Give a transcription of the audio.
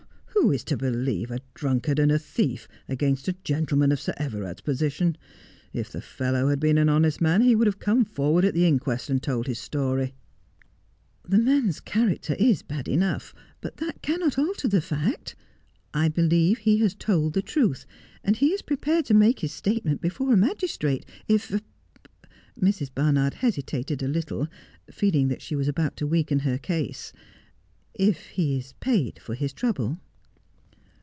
' Who is to believe a drunkard and a thief against a gentle man of Sir Everard's position 1 If the fellow had been an honest man he would have come forward at the inquest and told his story.' ' The man's character is bad enough, but that cannot alter the fact. I believe he has told the truth, and he is prepared to make his statement before a magistrate if ' Mrs. Barnard hesitated a little, feeling that she was about to weaken her case ■—' if he is paid for his trouble.'